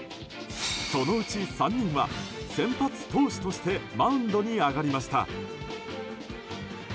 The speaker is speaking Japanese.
そのうち３人は、先発投手としてマウンドに上がりました。